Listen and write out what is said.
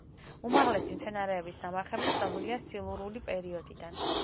უმაღლესი მცენარეების ნამარხები ცნობილია სილურული პერიოდიდან.